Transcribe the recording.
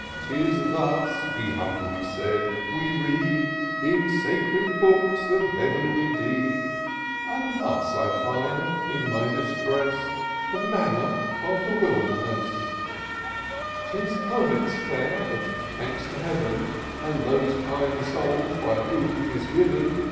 " 'Tis thus," he humbly said, " we read In sacred books of heavenly deed : IN SEARCH OF THE PICTURESQUE. 21 And thus, I find, in my distress. The Manna of the Wilderness : 'Tis hermit's fare ; but thanks to Heaven, And those kind souls by whom 'tis given."